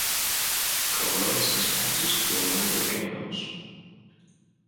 Corals and sponges grow on the volcanoes.